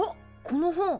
この本！